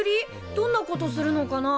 どんなことするのかな？